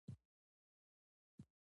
راکټ د انساني ځواک نوی تعریف وړاندې کوي